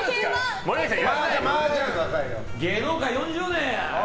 芸能界４０年や。